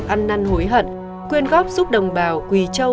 ăn năn hối hận quyên góp giúp đồng bào quỳ châu